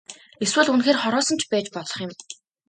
Эсвэл үнэхээр хороосон ч байж болох юм.